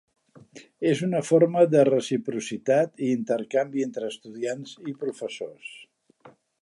És una forma de reciprocitat i intercanvi entre estudiants i professors.